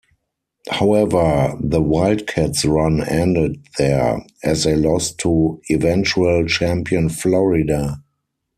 However, the Wildcats run ended there, as they lost to eventual champion Florida.